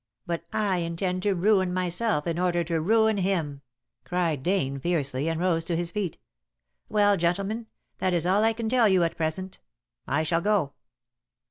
But I intend to ruin myself in order to ruin him," cried Dane fiercely, and rose to his feet. "Well, gentlemen, that is all I can tell you at present. I shall go."